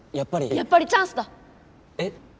やっぱりチャンスだ！え？